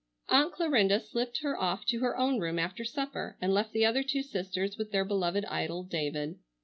Aunt Clarinda slipped her off to her own room after supper, and left the other two sisters with their beloved idol, David.